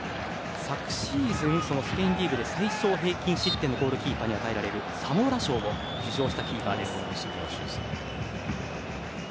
昨シーズン、そのスペインで最少平均失点のゴールキーパーに与えられるサモラ賞を受賞したキーパーです。